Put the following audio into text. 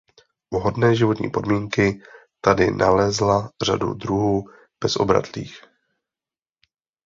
Vhodné životní podmínky tady nalezla řadu druhů bezobratlých.